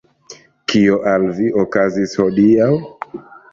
Kio al vi okazis hodiaŭ?